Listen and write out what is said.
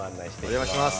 お邪魔します。